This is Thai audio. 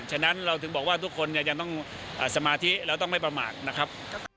ฉะนั้นเราถึงบอกว่าทุกคนยังต้องสมาธิแล้วต้องไม่ประมาทนะครับ